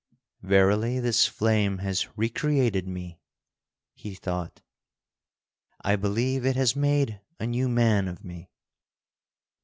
"Verily this flame has recreated me," he thought. "I believe it has made a new man of me."